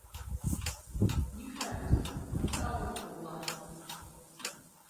— Нихәл, ҡустым, ҡайһы ауылдыҡы булаһың?